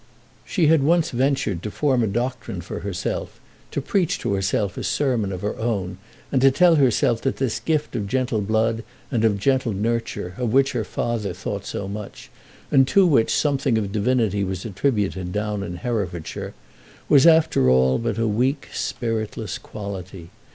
She had once ventured to form a doctrine for herself, to preach to herself a sermon of her own, and to tell herself that this gift of gentle blood and of gentle nurture, of which her father thought so much, and to which something of divinity was attributed down in Herefordshire, was after all but a weak, spiritless quality.